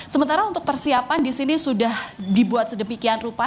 sementara untuk persiapan di sini sudah dibuat sedemikian rupa